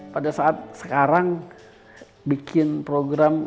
pada saat sekarang bikin program